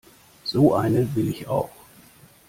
So eine will ich auch.